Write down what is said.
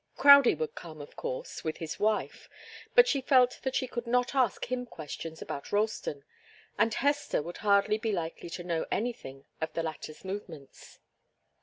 Crowdie would come, of course, with his wife, but she felt that she could not ask him questions about Ralston, and Hester would hardly be likely to know anything of the latter's movements.